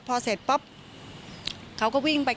ตลอดทั้งคืนตลอดทั้งคืน